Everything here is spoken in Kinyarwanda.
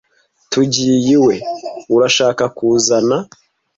Tugiye iwe. Urashaka kuzana?